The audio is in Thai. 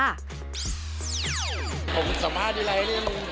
เอ่อสงสารปีเตอร์คนน่ะ